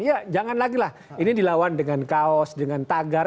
ya jangan lagi lah ini dilawan dengan kaos dengan tagar